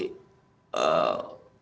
kita harus berpikir